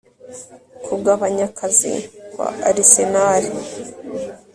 Kugabanya akazi kwa Arsenal